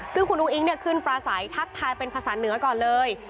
ซึ่งคุณอุ้งอิ๊งขึ้นปลาใสทักทายเป็นภาษาเหนือก่อนเลย